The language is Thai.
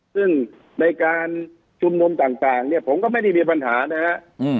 ซึ่งในการชุมนุมต่างเนี่ยผมก็ไม่ได้มีปัญหานะครับ